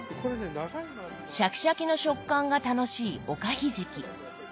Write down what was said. シャキシャキの食感が楽しいおかひじき。